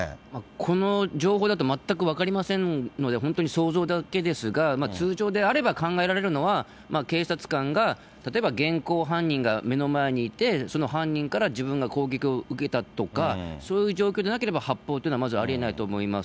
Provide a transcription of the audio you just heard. この情報だと全く分かりませんので、本当に想像だけですが、通常であれば考えられるのは、警察官が例えば現行犯人が目の前にいて、その犯人から自分が攻撃を受けたとか、そういう状況でなければ発砲っていうのは、まず、ありえないと思います。